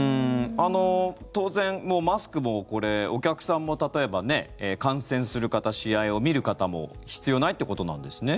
当然、マスクもお客さんも例えば観戦する方、試合を見る方も必要ないということなんですね。